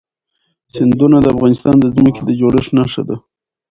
سیندونه د افغانستان د ځمکې د جوړښت نښه ده.